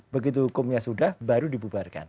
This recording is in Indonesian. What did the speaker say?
begitu hukumnya sudah baru dibubarkan